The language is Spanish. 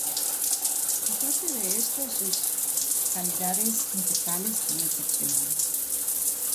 Aparte de esto, sus calidades musicales son excepcionales.